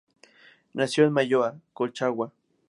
Nació en Malloa, Colchagua.